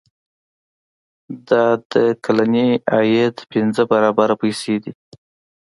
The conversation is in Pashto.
دا د کلني عاید پنځه برابره پیسې دي.